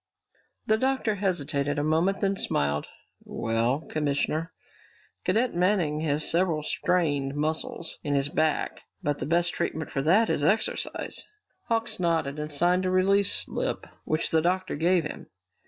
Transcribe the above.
The doctor hesitated a moment and then smiled. "Well, Commissioner, Cadet Manning has several strained muscles in his back, but the best treatment for that is exercise." Hawks nodded and signed a release slip which the doctor gave him.